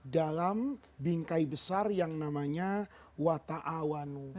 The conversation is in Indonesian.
dalam bingkai besar yang namanya wata'awan